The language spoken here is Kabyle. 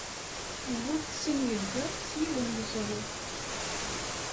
Wet sin yegḍaḍ s yiwen weẓru.